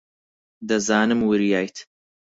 دەزانم وریایت.